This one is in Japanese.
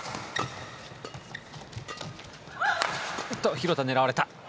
廣田、狙われた。